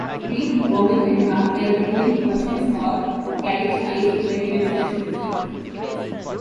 Greek, Roman, and Carthaginian warships all carried shrines which were given special respect.